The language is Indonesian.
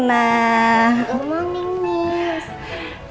selamat pagi miss